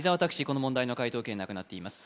この問題の解答権なくなっています